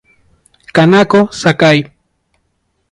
Kanako Sakai